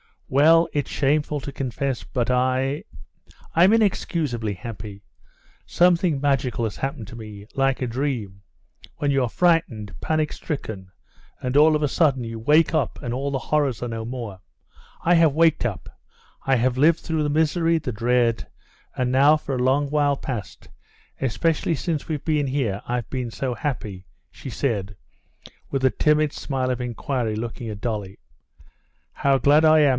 Well! it's shameful to confess, but I ... I'm inexcusably happy. Something magical has happened to me, like a dream, when you're frightened, panic stricken, and all of a sudden you wake up and all the horrors are no more. I have waked up. I have lived through the misery, the dread, and now for a long while past, especially since we've been here, I've been so happy!..." she said, with a timid smile of inquiry looking at Dolly. "How glad I am!"